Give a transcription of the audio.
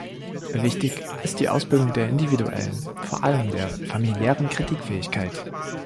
Wichtig ist die Ausbildung der individuellen, vor allem der familiären Kritikfähigkeit.